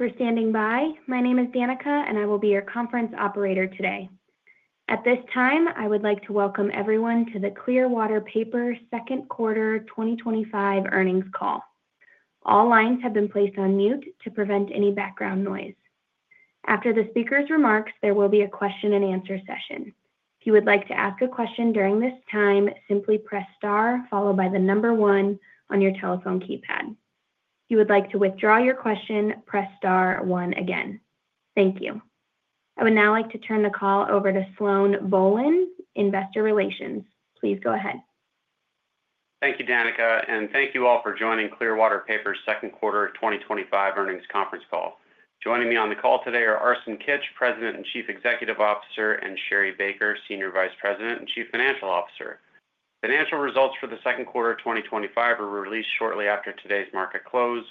Thank you for standing by. My name is Danica, and I will be your conference operator today. At this time, I would like to welcome everyone to the Clearwater Paper Second Quarter 2025 Earnings Call. All lines have been placed on mute to prevent any background noise. After the speaker's remarks, there will be a question and answer session. If you would like to ask a question during this time, simply press star, followed by the number one on your telephone keypad. If you would like to withdraw your question, press star one again. Thank you. I would now like to turn the call over to Sloan Bohlen, Investor Relations. Please go ahead. Thank you, Danica, and thank you all for joining Clearwater Paper's Second Quarter 2025 Earnings Conference Call. Joining me on the call today are Arsen Kitch, President and Chief Executive Officer, and Sherri Baker, Senior Vice President and Chief Financial Officer. Financial results for the second quarter of 2025 are released shortly after today's market close.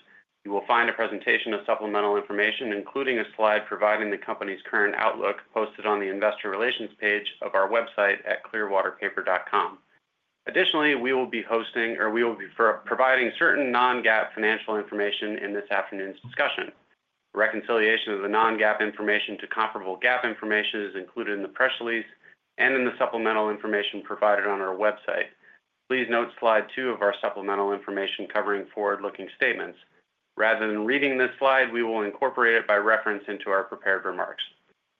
You will find a presentation of supplemental information, including a slide providing the company's current outlook, posted on the Investor Relations page of our website at clearwaterpaper.com. Additionally, we will be providing certain non-GAAP financial information in this afternoon's discussion. Reconciliation of the non-GAAP information to comparable GAAP information is included in the press release and in the supplemental information provided on our website. Please note slide two of our supplemental information covering forward-looking statements. Rather than reading this slide, we will incorporate it by reference into our prepared remarks.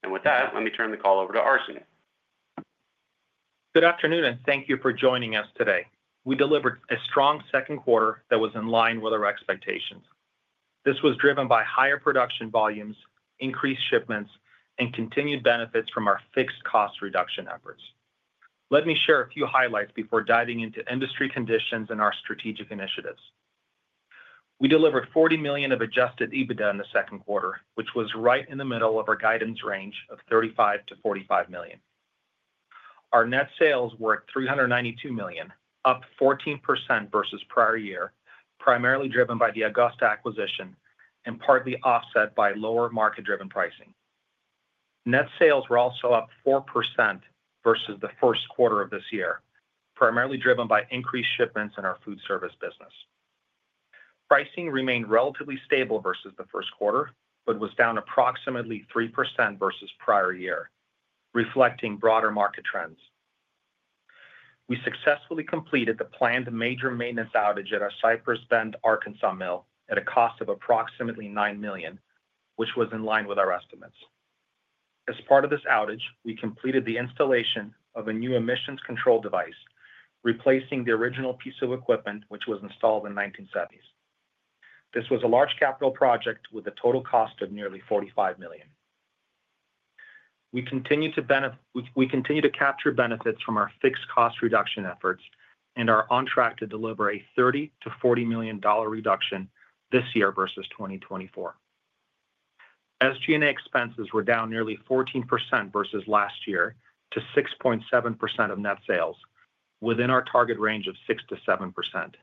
With that, let me turn the call over to Arsen. Good afternoon, and thank you for joining us today. We delivered a strong second quarter that was in line with our expectations. This was driven by higher production volumes, increased shipments, and continued benefits from our fixed cost reduction efforts. Let me share a few highlights before diving into industry conditions and our strategic initiatives. We delivered $40 million of Adjusted EBITDA in the second quarter, which was right in the middle of our guidance range of $35 million-$45 million. Our net sales were at $392 million, up 14% versus prior year, primarily driven by the Augusta acquisition and partly offset by lower market-driven pricing. Net sales were also up 4% versus the first quarter of this year, primarily driven by increased shipments in our food service business. Pricing remained relatively stable versus the first quarter, but was down approximately 3% versus prior year, reflecting broader market trends. We successfully completed the planned major maintenance outage at our Cypress Bend, Arkansas mill at a cost of approximately $9 million, which was in line with our estimates. As part of this outage, we completed the installation of a new emissions control device, replacing the original piece of equipment which was installed in the 1970s. This was a large capital project with a total cost of nearly $45 million. We continue to capture benefits from our fixed cost reduction efforts and are on track to deliver a $30 million-$40 million reduction this year versus 2024. SG&A expenses were down nearly 14% versus last year to 6.7% of net sales, within our target range of 6%-7%.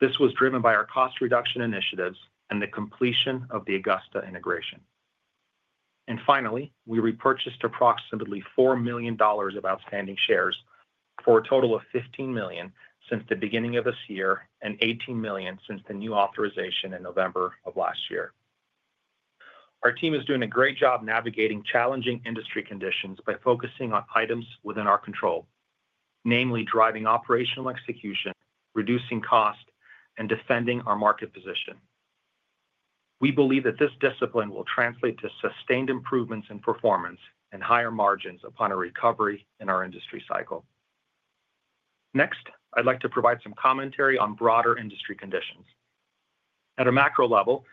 This was driven by our cost reduction initiatives and the completion of the Augusta integration. Finally, we repurchased approximately $4 million of outstanding shares for a total of $15 million since the beginning of this year and $18 million since the new authorization in November of last year. Our team is doing a great job navigating challenging industry conditions by focusing on items within our control, namely driving operational execution, reducing cost, and defending our market position. We believe that this discipline will translate to sustained improvements in performance and higher margins upon a recovery in our industry cycle. Next, I'd like to provide some commentary on broader industry conditions. At a macro level,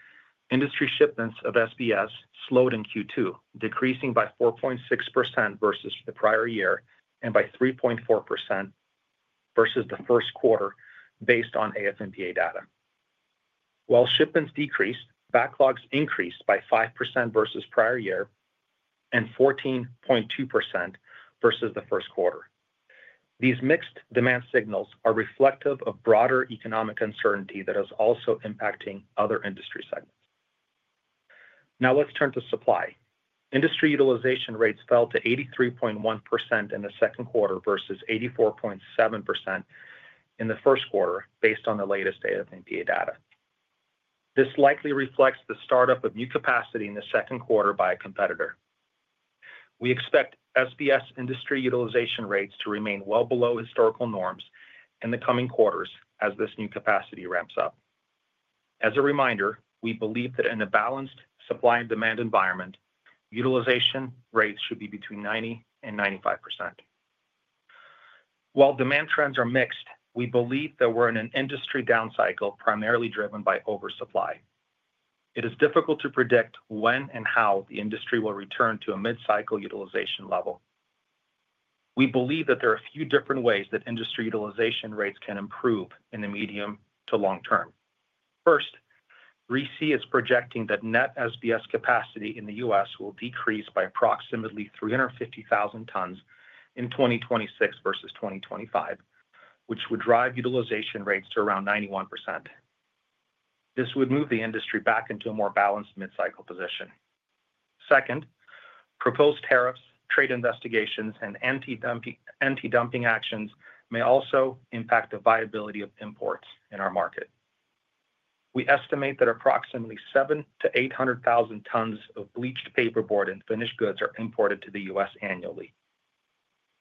industry shipments of SBS slowed in Q2, decreasing by 4.6% versus the prior year and by 3.4% versus the first quarter based on AF&PA data. While shipments decreased, backlogs increased by 5% versus prior year and 14.2% versus the first quarter. These mixed demand signals are reflective of broader economic uncertainty that is also impacting other industry segments. Now let's turn to supply. Industry utilization rates fell to 83.1% in the second quarter versus 84.7% in the first quarter based on the latest AF&PA data. This likely reflects the startup of new capacity in the second quarter by a competitor. We expect SBS industry utilization rates to remain well below historical norms in the coming quarters as this new capacity ramps up. As a reminder, we believe that in a balanced supply and demand environment, utilization rates should be between 90%-95%. While demand trends are mixed, we believe that we're in an industry down cycle primarily driven by oversupply. It is difficult to predict when and how the industry will return to a mid-cycle utilization level. We believe that there are a few different ways that industry utilization rates can improve in the medium to long term. First, RISI is projecting that net SBS capacity in the U.S. will decrease by approximately 350,000 tons in 2026 versus 2025, which would drive utilization rates to around 91%. This would move the industry back into a more balanced mid-cycle position. Second, proposed tariffs, trade investigations, and anti-dumping actions may also impact the viability of imports in our market. We estimate that approximately 700,000 tons-800,000 tons of bleached paperboard and finished goods are imported to the U.S. annually.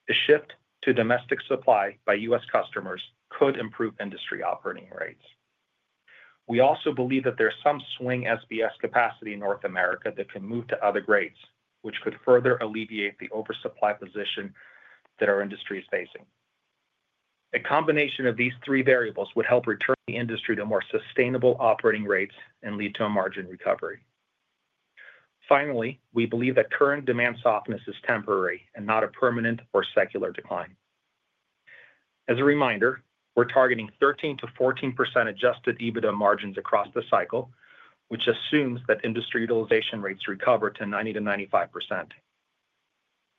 A shift to domestic supply by U.S. customers could improve industry operating rates. We also believe that there's some swing SBS capacity in North America that can move to other grades, which could further alleviate the oversupply position that our industry is facing. A combination of these three variables would help return the industry to more sustainable operating rates and lead to a margin recovery. Finally, we believe that current demand softness is temporary and not a permanent or secular decline. As a reminder, we're targeting 13%-14% Adjusted EBITDA margins across the cycle, which assumes that industry utilization rates recover to 90%-95%.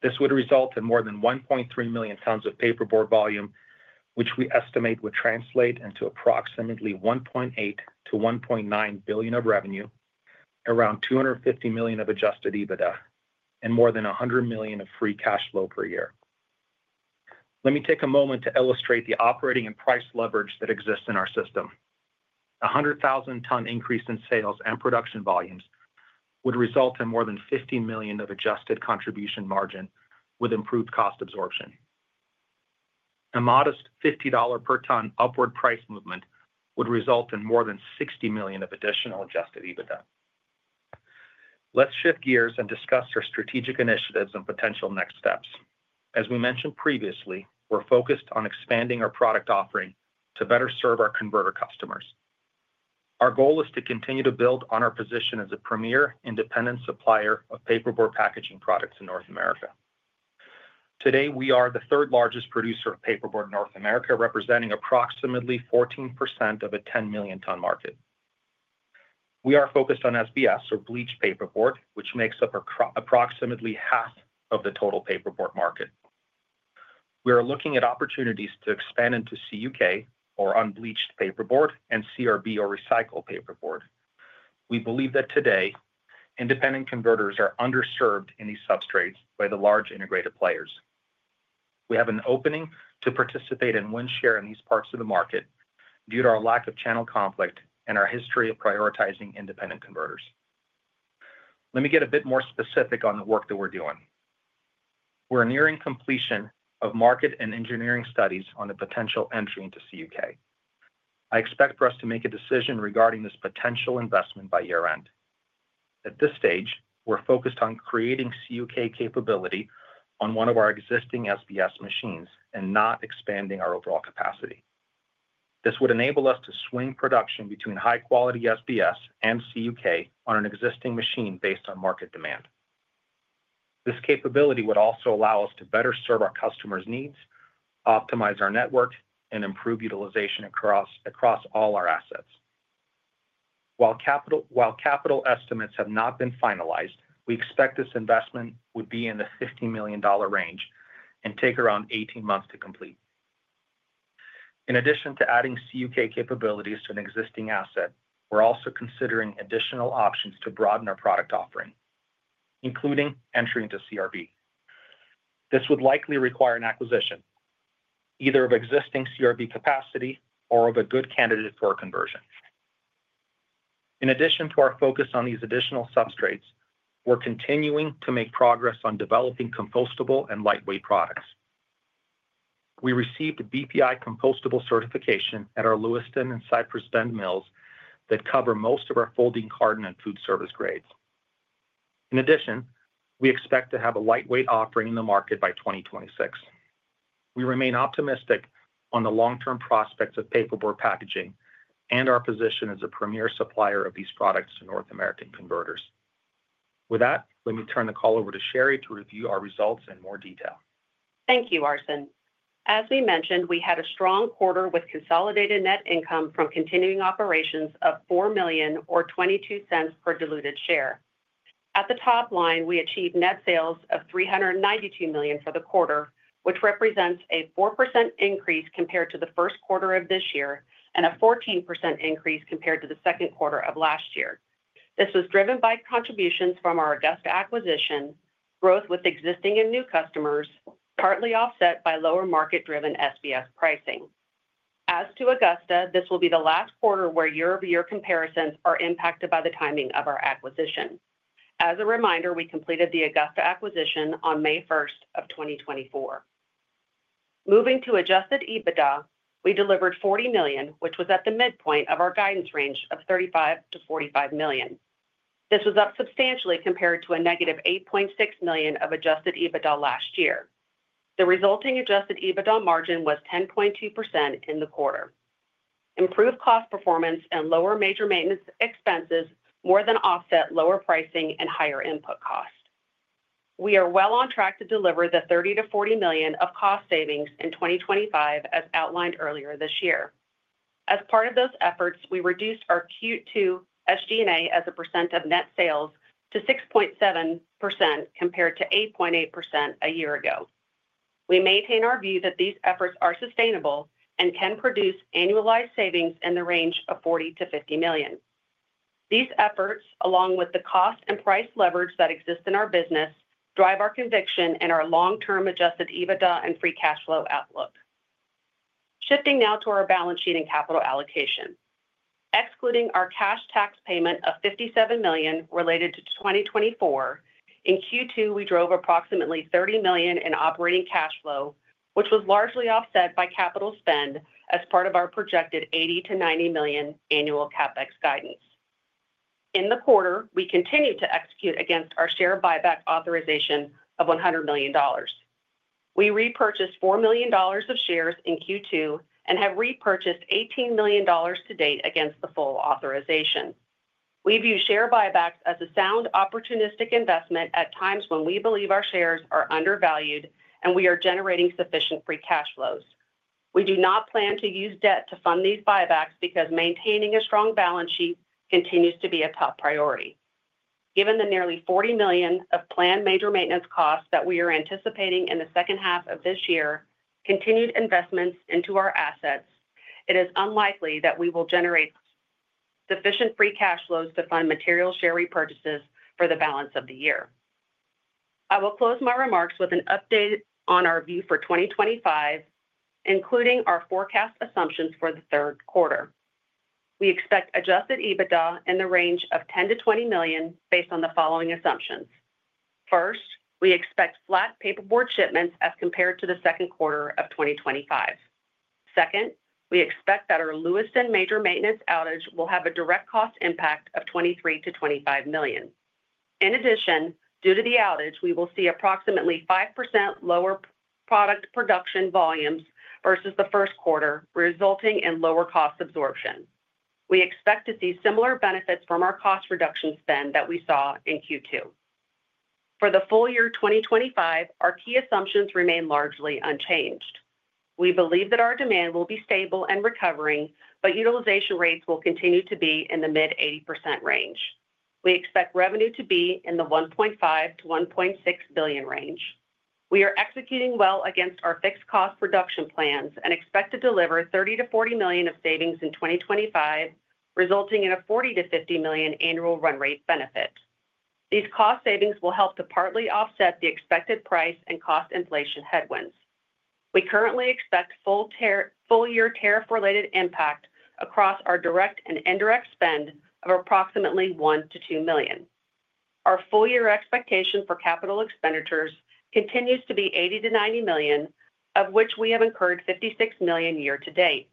This would result in more than 1.3 million tons of paperboard volume, which we estimate would translate into approximately $1.8 billion-$1.9 billion of revenue, around $250 million of Adjusted EBITDA, and more than $100 million of free cash flow per year. Let me take a moment to illustrate the operating and price leverage that exists in our system. A 100,000-ton increase in sales and production volumes would result in more than $50 million of adjusted contribution margin with improved cost absorption. A modest $50 per ton upward price movement would result in more than $60 million of additional Adjusted EBITDA. Let's shift gears and discuss our strategic initiatives and potential next steps. As we mentioned previously, we're focused on expanding our product offering to better serve our converter customers. Our goal is to continue to build on our position as a premier independent supplier of paperboard packaging products in North America. Today, we are the third largest producer of paperboard in North America, representing approximately 14% of a 10 million-ton market. We are focused on SBS, or bleached paperboard, which makes up approximately half of the total paperboard market. We are looking at opportunities to expand into CUK, or unbleached paperboard, and CRB, or recycled paperboard. We believe that today, independent converters are underserved in these substrates by the large integrated players. We have an opening to participate in win share in these parts of the market due to our lack of channel conflict and our history of prioritizing independent converters. Let me get a bit more specific on the work that we're doing. We're nearing completion of market and engineering studies on the potential entry into CUK. I expect for us to make a decision regarding this potential investment by year-end. At this stage, we're focused on creating CUK capability on one of our existing SBS machines and not expanding our overall capacity. This would enable us to swing production between high-quality SBS and CUK on an existing machine based on market demand. This capability would also allow us to better serve our customers' needs, optimize our network, and improve utilization across all our assets. While capital estimates have not been finalized, we expect this investment would be in the $50 million range and take around 18 months to complete. In addition to adding CUK capabilities to an existing asset, we're also considering additional options to broaden our product offering, including entering into CRB. This would likely require an acquisition, either of existing CRB capacity or of a good candidate for a conversion. In addition to our focus on these additional substrates, we're continuing to make progress on developing compostable and lightweight products. We received a BPI Compostable Certification at our Lewiston and Cypress Bend mills that cover most of our folding carton and food service grades. In addition, we expect to have a lightweight offering in the market by 2026. We remain optimistic on the long-term prospects of paperboard packaging and our position as a premier supplier of these products to North American converters. With that, let me turn the call over to Sherri to review our results in more detail. Thank you, Arsen. As we mentioned, we had a strong quarter with consolidated net income from continuing operations of $4 million or $0.22 per diluted share. At the top line, we achieved net sales of $392 million for the quarter, which represents a 4% increase compared to the first quarter of this year and a 14% increase compared to the second quarter of last year. This was driven by contributions from our Augusta acquisition, growth with existing and new customers, partly offset by lower market-driven SBS pricing. As to Augusta, this will be the last quarter where year-over-year comparisons are impacted by the timing of our acquisition. As a reminder, we completed the Augusta acquisition on May 1, 2024. Moving to Adjusted EBITDA , we delivered $40 million, which was at the midpoint of our guidance range of $35 million-$45 million. This was up substantially compared to a -$8.6 million of Adjusted EBITDA last year. The resulting Adjusted EBITDA margin was 10.3% in the quarter. Improved cost performance and lower major maintenance expenses more than offset lower pricing and higher input cost. We are well on track to deliver the $30 million-$40 million of cost savings in 2025 as outlined earlier this year. As part of those efforts, we reduced our Q2 SG&A as a percent of net sales to 6.7% compared to 8.8% a year ago. We maintain our view that these efforts are sustainable and can produce annualized savings in the range of $40 million-$50 million. These efforts, along with the cost and price leverage that exist in our business, drive our conviction and our long-term Adjusted EBITDA and free cash flow outlook. Shifting now to our balance sheet and capital allocation. Excluding our cash tax payment of $57 million related to 2024, in Q2, we drove approximately $30 million in operating cash flow, which was largely offset by capital spend as part of our projected $80 million-$90 million annual CapEx guidance. In the quarter, we continue to execute against our share buyback authorization of $100 million. We repurchased $4 million of shares in Q2 and have repurchased $18 million to date against the full authorization. We view share buybacks as a sound opportunistic investment at times when we believe our shares are undervalued and we are generating sufficient free cash flows. We do not plan to use debt to fund these buybacks because maintaining a strong balance sheet continues to be a top priority. Given the nearly $40 million of planned major maintenance costs that we are anticipating in the second half of this year, continued investments into our assets, it is unlikely that we will generate sufficient free cash flows to fund material share repurchases for the balance of the year. I will close my remarks with an update on our view for 2025, including our forecast assumptions for the third quarter. We expect Adjusted EBITDA in the range of $10 million-$20 million based on the following assumptions. First, we expect flat paperboard shipments as compared to the second quarter of 2025. Second, we expect that our Lewiston major maintenance outage will have a direct cost impact of $23 million-$25 million. In addition, due to the outage, we will see approximately 5% lower product production volumes versus the first quarter, resulting in lower cost absorption. We expect to see similar benefits from our cost reduction spend that we saw in Q2. For the full year 2025, our key assumptions remain largely unchanged. We believe that our demand will be stable and recovering, but utilization rates will continue to be in the mid 80% range. We expect revenue to be in the $1.5 billion-$1.6 billion range. We are executing well against our fixed cost reduction plans and expect to deliver $30 million-$40 million of savings in 2025, resulting in a $40 million-$50 million annual run rate benefit. These cost savings will help to partly offset the expected price and cost inflation headwinds. We currently expect full-year tariff-related impact across our direct and indirect spend of approximately $1 million-$2 million. Our full-year expectation for capital expenditures continues to be $80 million-$90 million, of which we have incurred $56 million year to date.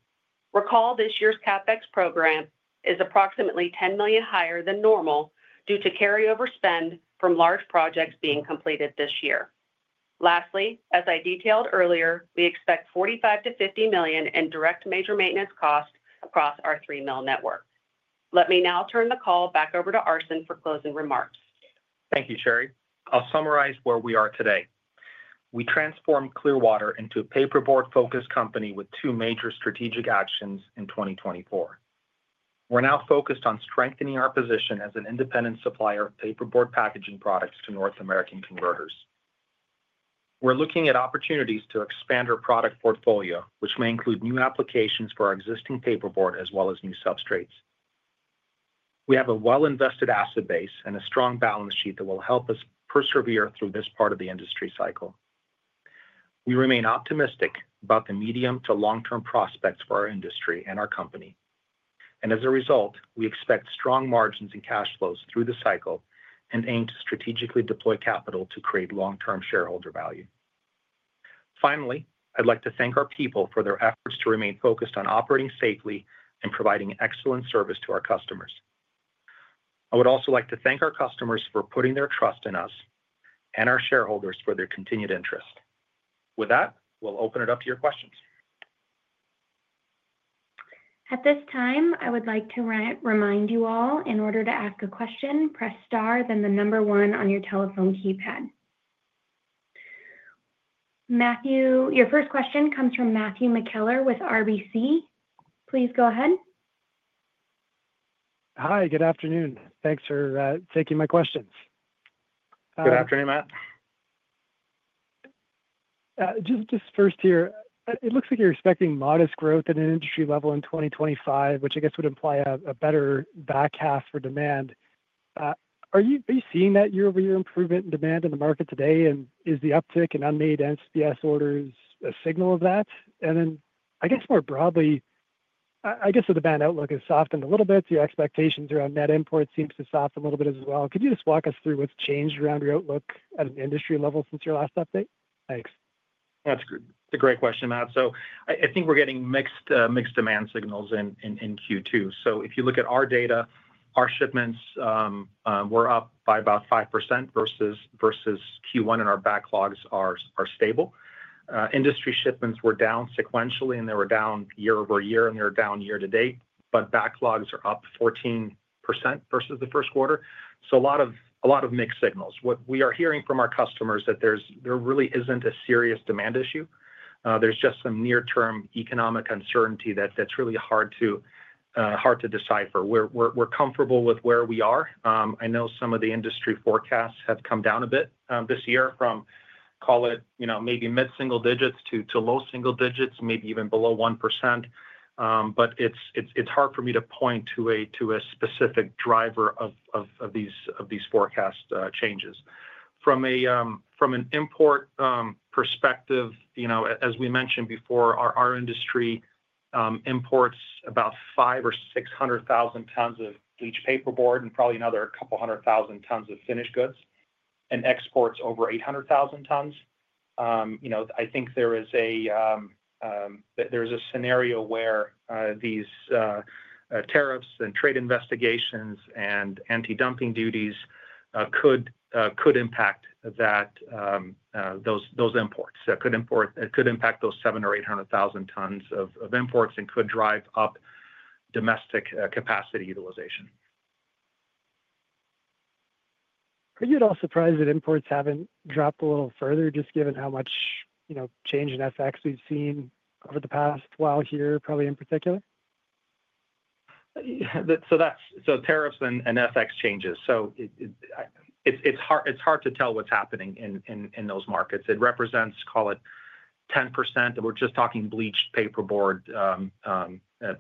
Recall this year's CapEx program is approximately $10 million higher than normal due to carryover spend from large projects being completed this year. Lastly, as I detailed earlier, we expect $45 million-$50 million in direct major maintenance costs across our three mill network. Let me now turn the call back over to Arsen for closing remarks. Thank you, Sherri. I'll summarize where we are today. We transformed Clearwater into a paperboard-focused company with two major strategic actions in 2024. We're now focused on strengthening our position as an independent supplier of paperboard packaging products to North American converters. We're looking at opportunities to expand our product portfolio, which may include new applications for our existing paperboard as well as new substrates. We have a well-invested asset base and a strong balance sheet that will help us persevere through this part of the industry cycle. We remain optimistic about the medium to long-term prospects for our industry and our company. As a result, we expect strong margins and cash flows through the cycle and aim to strategically deploy capital to create long-term shareholder value. Finally, I'd like to thank our people for their efforts to remain focused on operating safely and providing excellent service to our customers. I would also like to thank our customers for putting their trust in us and our shareholders for their continued interest. With that, we'll open it up to your questions. At this time, I would like to remind you all, in order to ask a question, press star, then the number one on your telephone keypad. Matthew, your first question comes from Matthew McKellar with RBC. Please go ahead. Hi, good afternoon. Thanks for taking my questions. Good afternoon, Matt. Just first here, it looks like you're expecting modest growth at an industry level in 2025, which I guess would imply a better backcast for demand. Are you seeing that year-over-year improvement in demand in the market today? Is the uptick in unmade SBS orders a signal of that? More broadly, I guess the demand outlook has softened a little bit. Your expectations around net imports seem to soften a little bit as well. Could you just walk us through what's changed around your outlook at an industry level since your last update? Thanks. That's a great question, Matt. I think we're getting mixed demand signals in Q2. If you look at our data, our shipments were up by about 5% versus Q1, and our backlogs are stable. Industry shipments were down sequentially, they were down year over year, and they were down year to date. Backlogs are up 14% versus the first quarter. A lot of mixed signals. What we are hearing from our customers is that there really isn't a serious demand issue. There's just some near-term economic uncertainty that's really hard to decipher. We're comfortable with where we are. I know some of the industry forecasts have come down a bit this year from, call it, maybe mid-single digits to low single digits, maybe even below 1%. It's hard for me to point to a specific driver of these forecast changes. From an import perspective, as we mentioned before, our industry imports about 500,000 or 600,000 tons of bleached paperboard and probably another couple hundred thousand tons of finished goods and exports over 800,000 tons. I think there is a scenario where these tariffs and trade investigations and anti-dumping duties could impact those imports. It could impact those 700,000 or 800,000 tons of imports and could drive up domestic capacity utilization. Are you at all surprised that imports haven't dropped a little further, just given how much change in FX we've seen over the past while here, probably in particular? Tariffs and FX changes make it hard to tell what's happening in those markets. It represents, call it, 10%. We're just talking bleached paperboard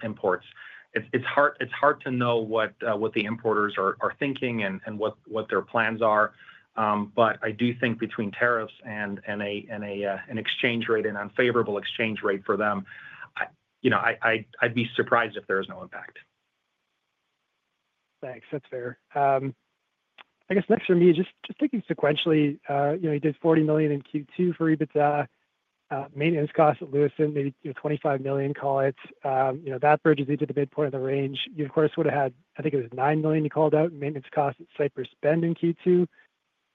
imports. It's hard to know what the importers are thinking and what their plans are. I do think between tariffs and an exchange rate, an unfavorable exchange rate for them, I'd be surprised if there is no impact. Thanks. That's fair. I guess next from you, just thinking sequentially, you did $40 million in Q2 for EBITDA, maintenance costs at Lewiston, maybe $25 million, call it. That bridges into the midpoint of the range. You, of course, would have had, I think it was $9 million you called out, maintenance costs at Cypress Bend in Q2.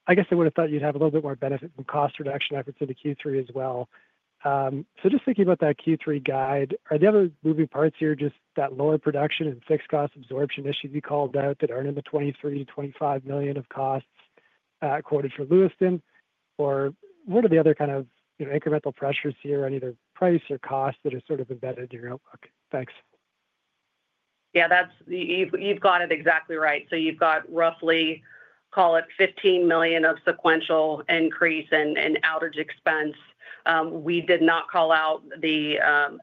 I guess I would have thought you'd have a little bit more benefit from cost reduction efforts into Q3 as well. Just thinking about that Q3 guide, are the other moving parts here just that lower production and fixed cost absorption issue you called out that aren't in the $23 million-$25 million of costs quoted for Lewiston? What are the other kind of incremental pressures here on either price or cost that are sort of embedded in your outlook? Thanks. That's the, you've got it exactly right. You've got roughly, call it, $15 million of sequential increase in outage expense. We did not call out the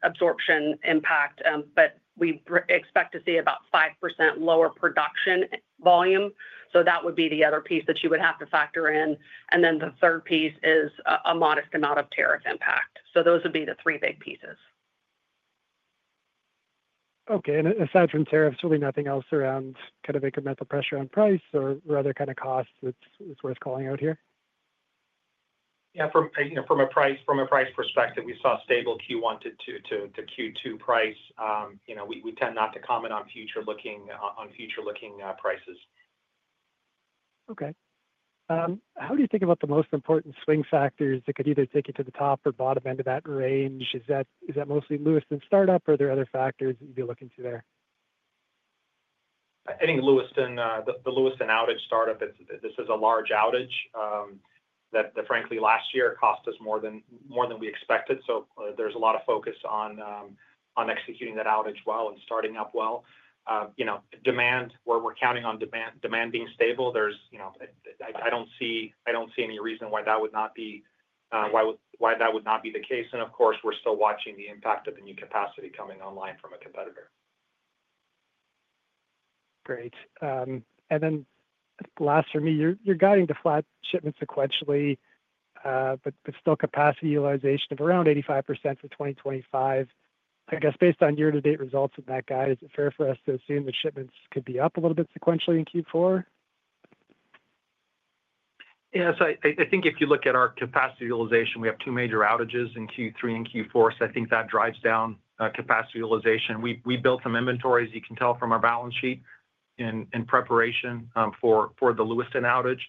absorption impact, but we expect to see about 5% lower production volume. That would be the other piece that you would have to factor in. The third piece is a modest amount of tariff impact. Those would be the three big pieces. Okay. Aside from tariffs, really nothing else around kind of incremental pressure on price or other kind of costs that's worth calling out here? Yeah, from a price perspective, we saw stable Q1 to Q2 price. We tend not to comment on future-looking prices. Okay. How do you think about the most important swing factors that could either take you to the top or bottom end of that range? Is that mostly Lewiston startup, or are there other factors that you'd be looking to there? I think Lewiston, the Lewiston outage startup, this is a large outage that, frankly, last year cost us more than we expected. There is a lot of focus on executing that outage well and starting up well. You know, demand, we're counting on demand being stable. I don't see any reason why that would not be the case. Of course, we're still watching the impact of the new capacity coming online from a competitor. Great. You're guiding the flat shipment sequentially, but still capacity utilization of around 85% for 2025. I guess based on year-to-date results in that guide, is it fair for us to assume that shipments could be up a little bit sequentially in Q4? Yes, I think if you look at our capacity utilization, we have two major outages in Q3 and Q4. I think that drives down capacity utilization. We built some inventories, you can tell from our balance sheet, in preparation for the Lewiston outage.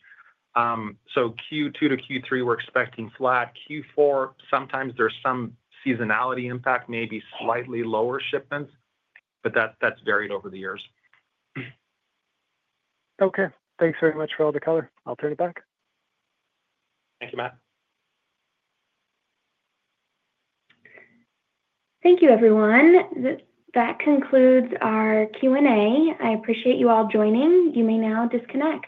Q2 to Q3, we're expecting flat. Q4, sometimes there's some seasonality impact, maybe slightly lower shipments, but that's varied over the years. Okay, thanks very much for all the color. I'll turn it back. Thank you, Matt. Thank you, everyone. That concludes our Q&A. I appreciate you all joining. You may now disconnect.